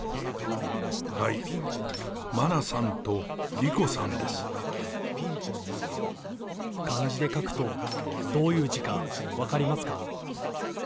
はい、漢字で書くと、どういう字か分かりますか。